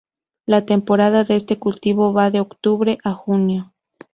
La temporada de este cultivo va de octubre a junio.